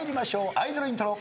アイドルイントロ。